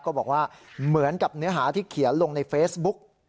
ก็บอกว่าเหมือนกับเนื้อหาที่เขียนลงในเฟซบุ๊ก